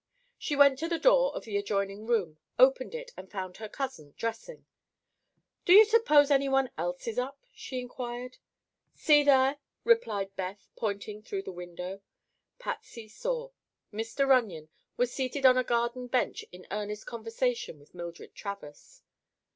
She went to the door of the adjoining room, opened it and found her cousin dressing. "Do you suppose anyone else is up?" she inquired. "See there," replied Beth, pointing through the window. Patsy saw. Mr. Runyon was seated on a garden bench in earnest conversation with Mildred Travers.